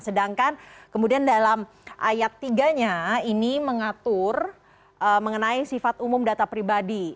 sedangkan kemudian dalam ayat tiga nya ini mengatur mengenai sifat umum data pribadi